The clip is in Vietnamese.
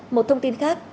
một thông tin khác